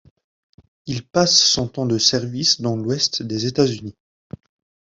Il passe son temps de service dans l'ouest des États-Unis.